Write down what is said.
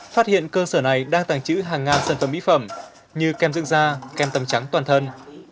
phát hiện cơ sở này đang tàng trữ hàng ngàn sản phẩm mỹ phẩm như kem dưng da kem tầm trắng toàn thân